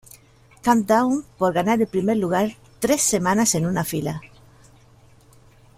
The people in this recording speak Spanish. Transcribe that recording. Countdown por ganar primer lugar tres semanas en una fila.